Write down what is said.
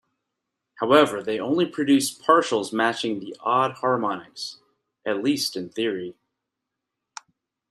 However they only produce partials matching the odd harmonics, at least in theory.